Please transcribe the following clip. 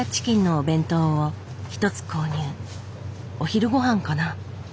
お昼ごはんかな。